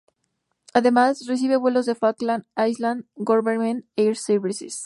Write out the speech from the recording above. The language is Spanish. Además, recibe vuelos del Falkland Islands Government Air Service.